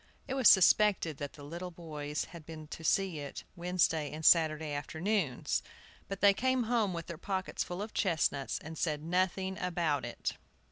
It was suspected that the little boys had been to see it Wednesday and Saturday afternoons. But they came home with their pockets full of chestnuts, and said nothing about it.